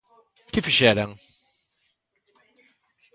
Que fixeran?